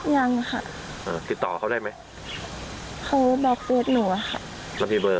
อยากให้เลิกใช้ชื่อกับน้ำสกุลของหนูครับ